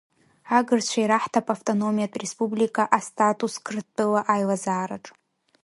Агырцәа ираҳҭап автономиатә республика астатус Қырҭтәыла аилазаараҿ…